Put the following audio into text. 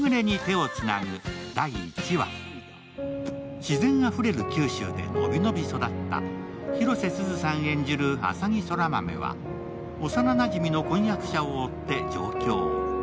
自然あふれる九州でのびのび育った広瀬すずさん演じる浅葱空豆は、幼なじみの婚約者を追って上京。